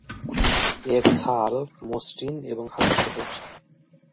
এর ছাল মসৃণ এবং হালকা সবুজ।